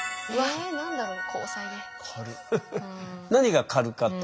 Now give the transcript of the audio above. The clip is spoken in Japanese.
え何だろう？